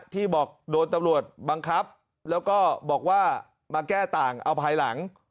ที่บอกโดนตำรวจบังคับแล้วก็บอกว่ามาแก้ต่างเอาภายหลัง